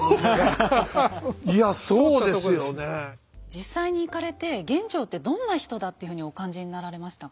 実際に行かれて玄奘ってどんな人だっていうふうにお感じになられましたか？